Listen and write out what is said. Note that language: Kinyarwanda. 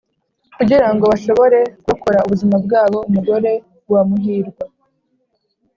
kugira ngo bashobore kurokora ubuzima bwabo. umugore wa muhirwa,